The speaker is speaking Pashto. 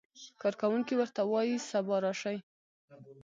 کارکوونکی ورته وایي سبا راشئ.